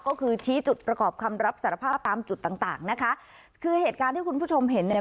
ก็คือชี้จุดประกอบคำรับสารภาพตามจุดต่างต่างนะคะคือเหตุการณ์ที่คุณผู้ชมเห็นเนี่ย